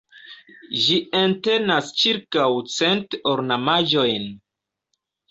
Ĝi entenas ĉirkaŭ cent ornamaĵojn.